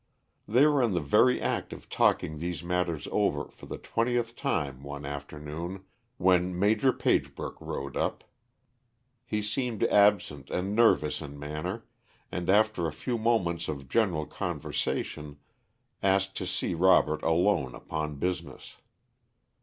They were in the very act of talking these matters over for the twentieth time, one afternoon, when Maj. Pagebrook rode up. He seemed absent and nervous in manner, and after a few moments of general conversation asked to see Robert alone upon business.